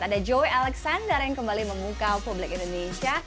ada joy alexander yang kembali membuka publik indonesia